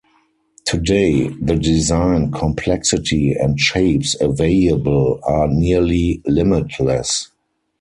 Today, the design complexity and shapes available are nearly limitless.